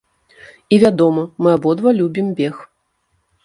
І, вядома, мы абодва любім бег.